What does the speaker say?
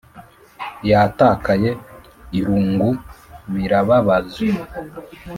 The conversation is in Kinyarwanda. yatakaye, irungu, birababaje